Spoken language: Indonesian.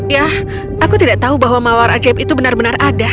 ya aku tidak tahu bahwa mawar ajaib itu benar benar ada